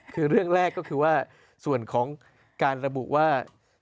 คือเรื่องแรกก็คือว่าส่วนของการระบุว่า